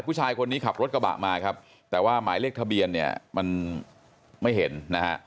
ผู้ชายคนนี้ขับรถกระบะมาครับแต่ว่าหมายเลขทะเบียนเนี่ยมันไม่เห็นนะฮะ